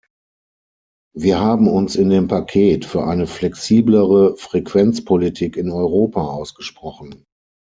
Wir haben uns in dem Paket für eine flexiblere Frequenzpolitik in Europa ausgesprochen.